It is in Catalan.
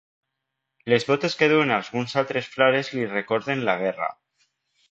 Les botes que duen alguns altres frares li recorden la guerra.